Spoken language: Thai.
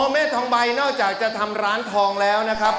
แม่ทองใบนอกจากจะทำร้านทองแล้วนะครับ